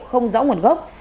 không rõ nguồn chức năng